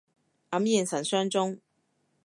黯然神傷中